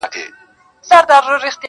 د خاوند یې نفس تنګ په واویلا وو-